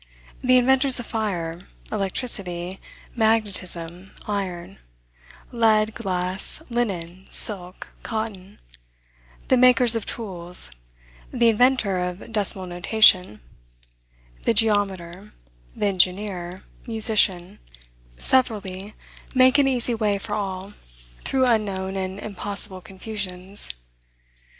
The inventors of fire, electricity, magnetism, iron; lead, glass, linen, silk, cotton; the makers of tools; the inventor of decimal notation; the geometer; the engineer; musician, severally make an easy way for all, through unknown and impossible confusions.